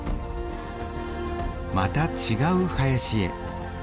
また違う林へ。